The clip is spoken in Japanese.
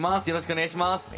お願いします。